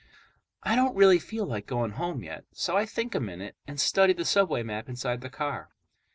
I don't really feel like going home yet, so I think a minute and study the subway map inside the car.